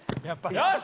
よし！